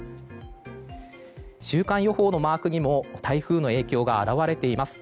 週間予報のマークにも台風の影響が表れています。